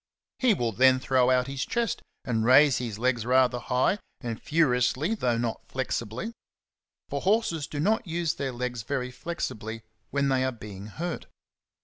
He will then throw out his chest and raise his legs rather high, and furiously though not flexibly ; for horses do not use their legs very flexibly when they are being hurt.